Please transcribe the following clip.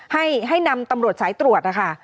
ให้นำตำรวจสายตรวจนะคะ